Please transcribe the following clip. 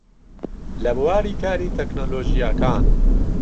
لە بواری کاری تەکنۆلۆژیاکان